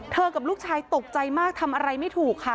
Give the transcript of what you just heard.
กับลูกชายตกใจมากทำอะไรไม่ถูกค่ะ